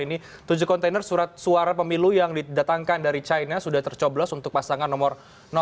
ini tujuh kontainer surat suara pemilu yang didatangkan dari china sudah tercoblos untuk pasangan nomor satu